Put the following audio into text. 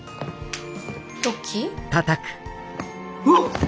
うわっ！？